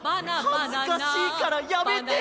はずかしいからやめて！